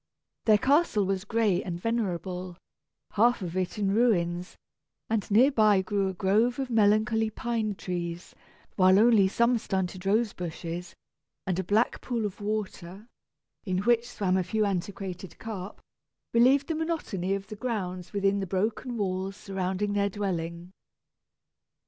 Their castle was gray and venerable, half of it in ruins, and near by grew a grove of melancholy pine trees; while only some stunted rose bushes, and a black pool of water, in which swam a few antiquated carp, relieved the monotony of the grounds within the broken walls surrounding their dwelling.